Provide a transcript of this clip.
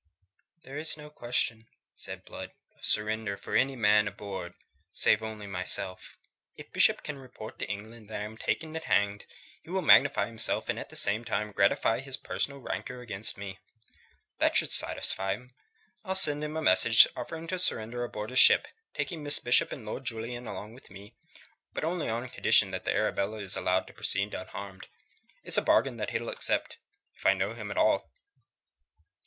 "There is no question," said Blood, "of surrender for any man aboard save only myself. If Bishop can report to England that I am taken and hanged, he will magnify himself and at the same time gratify his personal rancour against me. That should satisfy him. I'll send him a message offering to surrender aboard his ship, taking Miss Bishop and Lord Julian with me, but only on condition that the Arabella is allowed to proceed unharmed. It's a bargain that he'll accept, if I know him at all."